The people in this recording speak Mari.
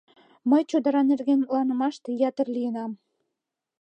Мый чодыра нерген мутланымаште ятыр лийынам.